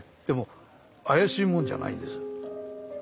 でも怪しいもんじゃないんです。